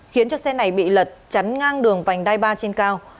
khiến cho xe này bị lật chắn ngang đường vành đai ba trên cao